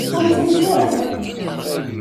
Ur ttayes ara.